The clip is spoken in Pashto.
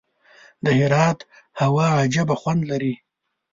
د هرات هوا عجیب خوند لري.